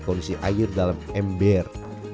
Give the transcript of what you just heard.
kondisi air dalam ember